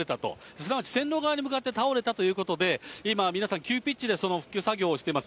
すなわち線路側に向かって倒れたということで、今、皆さん急ピッチでその復旧作業をしてます。